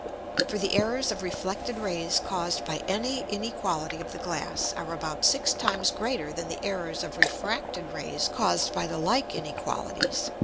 For the Errors of reflected Rays caused by any Inequality of the Glass, are about six times greater than the Errors of refracted Rays caused by the like Inequalities.